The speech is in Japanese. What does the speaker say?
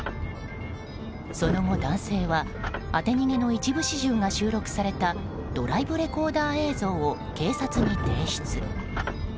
その後、男性は当て逃げの一部始終が収録されたドライブレコーダー映像を警察に提出。